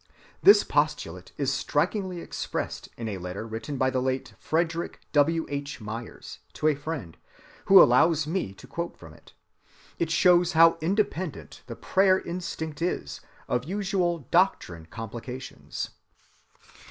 This postulate is strikingly expressed in a letter written by the late Frederic W. H. Myers to a friend, who allows me to quote from it. It shows how independent the prayer‐instinct is of usual doctrinal complications.